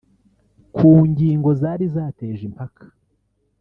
Ku ngingo zari zateje impaka